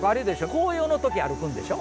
紅葉の時歩くんでしょ？